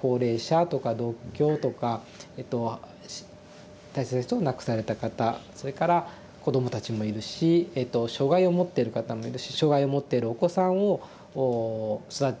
高齢者とか独居とかえと大切な人を亡くされた方それから子供たちもいるし障害を持ってる方もいるし障害を持ってるお子さんを育てていらっしゃる親御さんもいる。